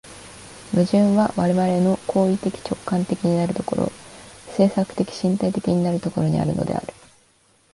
矛盾は我々の行為的直観的なる所、制作的身体的なる所にあるのである。